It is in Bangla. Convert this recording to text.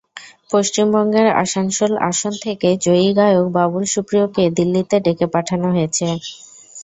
পশ্চিমবঙ্গের আসানসোল আসন থেকে জয়ী গায়ক বাবুল সুপ্রিয়কে দিল্লিতে ডেকে পাঠানো হয়েছে।